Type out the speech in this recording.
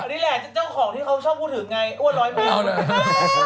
อันนี้แหละเจ้าของที่เขาชอบพูดถึงไง